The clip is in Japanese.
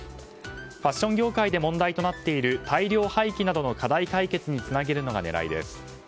ファッション業界で問題となっている大量廃棄などの課題解決につなげるのが狙いです。